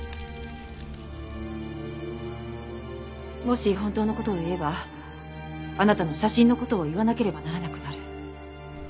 もし本当の事を言えばあなたの写真の事を言わなければならなくなる。